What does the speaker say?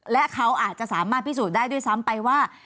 และเขาอาจจะสามารถพิสูจน์ได้ด้วยซ้ำไปว่า